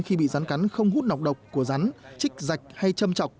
khi bị rắn cắn không hút nọc độc của rắn chích giạch hay châm trọc